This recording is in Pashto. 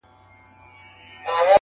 رانه هېريږي نه خيالونه هېرولاى نه ســم.!